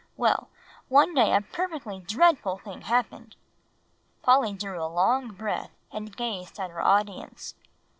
Well, one day a perfectly dreadful thing happened!" Polly drew a long breath, and gazed at her audience.